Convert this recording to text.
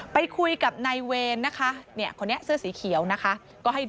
ไปคุยกับนายเวรนะคะคนนี้เสื้อสีเขียวนะคะ